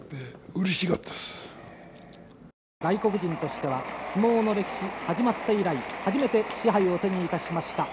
外国人としては相撲の歴史始まって以来初めて賜盃を手にいたしました。